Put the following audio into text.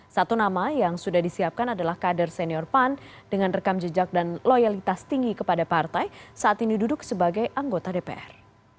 satu nama yang sudah disiapkan adalah kader senior pan dengan rekam jejak dan loyalitas tinggi kepada partai saat ini duduk sebagai anggota dpr